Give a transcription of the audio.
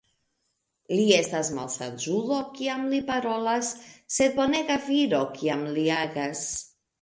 Li estas malsaĝulo, kiam li parolas, sed bonega viro, kiam li agas.